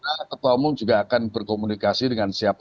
oke dan saya kira ketua umum juga akan berkomunikasi ya dengan ketua umum